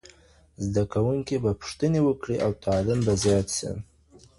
زده کوونکی به پوښتني وکړي او تعليم به زيات سي.